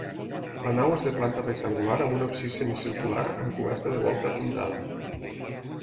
La nau és de planta rectangular amb un absis semicircular amb coberta de volta apuntada.